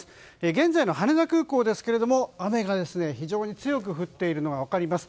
現在の羽田空港ですけれども雨が非常に強く降っているのが分かります。